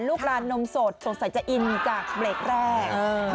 ลูกลานนมสดสงสัยจะอินจากเบรกแรก